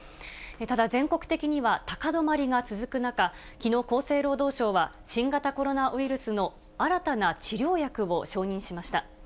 ただ、全国的には高止まりが続く中、きのう、厚生労働省は新型コロナウイルスの新たな治療薬を承認しました。